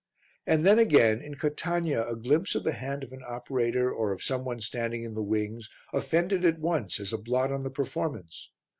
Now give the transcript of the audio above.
And then, again, in Catania a glimpse of the hand of an operator or of some one standing in the wings offended at once as a blot on the performance.